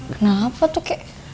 kenapa tuh kek